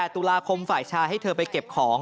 ตุลาคมฝ่ายชายให้เธอไปเก็บของ